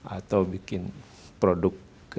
atau bikin produk ke